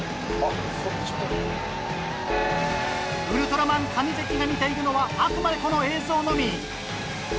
ウルトラマン上関が見ているのはあくまでこの映像のみ。